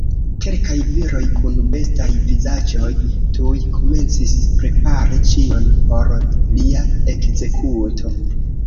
Kelkaj viroj kun bestaj vizaĝoj tuj komencis prepari ĉion por lia ekzekuto.